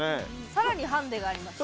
さらにハンディがあります。